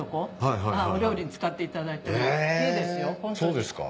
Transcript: そうですか？